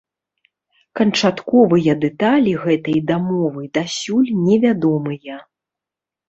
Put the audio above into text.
Канчатковыя дэталі гэтай дамовы дасюль не вядомыя.